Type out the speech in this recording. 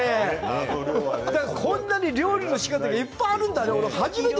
こんなに料理のしかたいっぱいあるんだね。